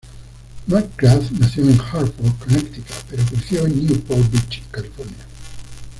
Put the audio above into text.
McGrath nació en Hartford, Connecticut pero creció en Newport Beach, California.